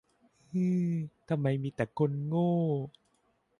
ฮือ ทำไมมีแต่คนโง่